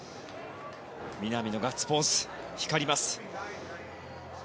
南のガッツポーズ光ります。